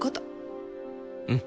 うん。